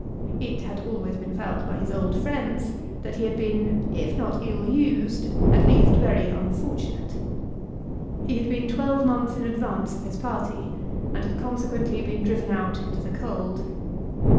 It had always been felt by his old friends that he had been, if not ill used, at least very unfortunate. He had been twelve months in advance of his party, and had consequently been driven out into the cold.